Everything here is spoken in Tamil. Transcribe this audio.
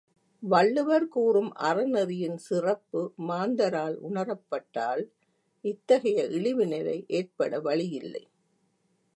வள்ளுவர் கூறும் அறநெறியின் சிறப்பு மாந்தரால் உணரப்பட்டால் இத்தகைய இழிநிலை ஏற்பட வழியில்லை.